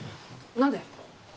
何で？